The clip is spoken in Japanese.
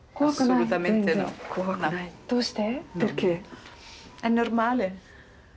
どうして？